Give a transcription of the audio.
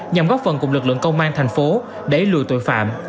nhằm góp phần cùng lực lượng công an thành phố đẩy lùi tội phạm